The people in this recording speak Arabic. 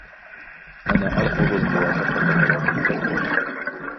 أنا أرفض الموافقة على تلك الخطة.